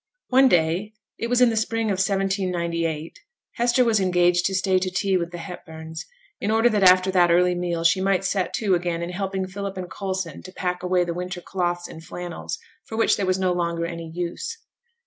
One day it was in the spring of 1798 Hester was engaged to stay to tea with the Hepburns, in order that after that early meal she might set to again in helping Philip and Coulson to pack away the winter cloths and flannels, for which there was no longer any use.